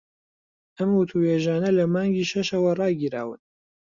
ئەو وتووێژانە لە مانگی شەشەوە ڕاگیراون